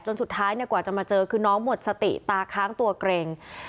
สุดท้ายกว่าจะมาเจอคือน้องหมดสติตาค้างตัวเกร็ง